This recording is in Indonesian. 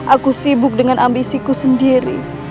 aku sibuk dengan ambisiku sendiri